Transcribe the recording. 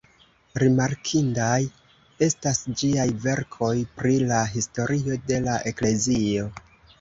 Rimarkindaj estas ĝiaj verkoj pri la historio de la Eklezio.